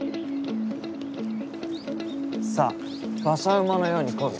さあ馬車馬のように漕げ。